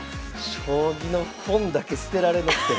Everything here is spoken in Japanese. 将棋の本だけ捨てられなくて。